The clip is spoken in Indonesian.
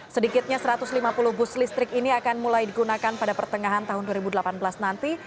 sedikitnya satu ratus lima puluh bus listrik ini akan mulai digunakan pada pertengahan tahun dua ribu delapan belas nanti